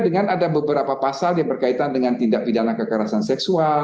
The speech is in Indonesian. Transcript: dengan ada beberapa pasal yang berkaitan dengan tindak pidana kekerasan seksual